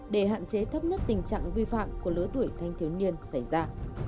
để hạn chế thấp nhất tình trạng vi phạm của lứa tuổi thanh thiếu niên xảy ra